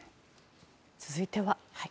続いては。